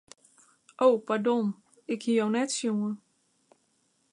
O pardon, ik hie jo net sjoen.